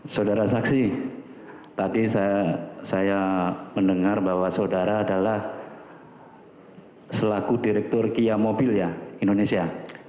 saudara saksi tadi saya mendengar bahwa saudara adalah selaku direktur kia mobil ya indonesia